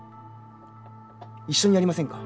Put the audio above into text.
一緒にやりませんか？